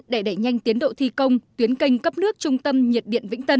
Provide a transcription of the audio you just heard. để đẩy nhanh tiến độ thi công tuyến kênh cấp nước trung tâm nhiệt điện vĩnh tân